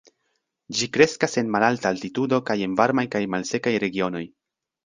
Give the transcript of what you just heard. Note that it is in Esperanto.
Ĝi kreskas en malalta altitudo kaj en varmaj kaj malsekaj regionoj.